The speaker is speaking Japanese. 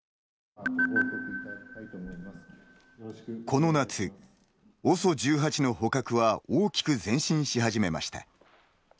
この夏、ＯＳＯ１８の捕獲は大きく前進し始めました。